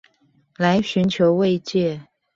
來尋求慰藉